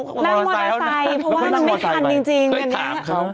นั่งมอเตอร์ไซค์เพราะว่ามันไม่ทันจริงอันนี้